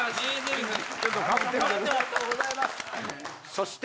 そして。